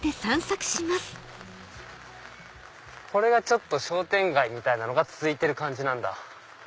これが商店街みたいなのが続いてる感じなんだ。